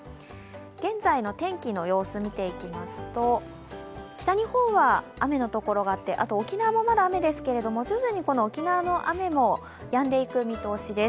現在の天気の様子を見ていきますと、北日本は雨のところがあって沖縄も雨なんですが徐々に沖縄の雨もやんでいく見通しです。